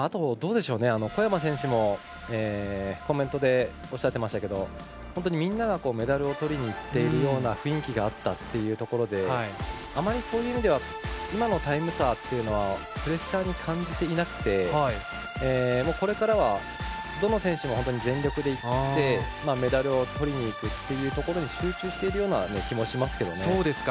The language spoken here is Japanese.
あと小山選手もコメントでおっしゃってましたけどみんながメダルをとりにいっているような雰囲気があったというところであまりそういう意味では今のタイム差というのはプレッシャーに感じていなくてこれからはどの選手も全力でいってメダルをとりにいくっていうところに集中しているような気もします。